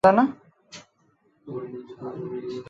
প্রণব শিক্ষক হিসেবে তার কর্মজীবন শুরু করেন।